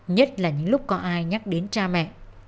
nhất là những lúc có ai nhắc đến cha mẹ